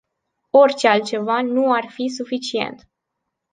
Orice altceva nu ar fi suficient.